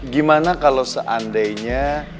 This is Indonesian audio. gimana kalau seandainya